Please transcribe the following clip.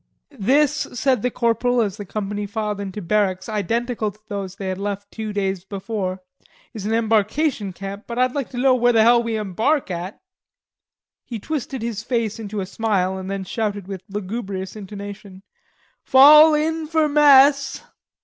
"This," said the corporal, as the company filed into barracks identical to those they had left two days before, "is an embarkation camp, but I'd like to know where the hell we embark at." He twisted his face into a smile, and then shouted with lugubrious intonation: "Fall in for mess."